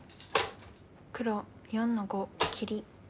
黒４の五切り。